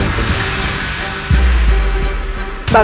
aku akan menangkan ibu nda